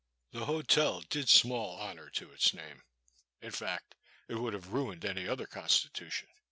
The hotel did small honour to its name, in fact it would have ruined any other constitution.